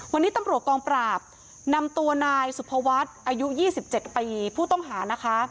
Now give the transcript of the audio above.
วันนี้ตำรวจกองปราบนำตัวนายสุภวัฒน์อายุ๒๗ปีผู้ต้องหานะคะ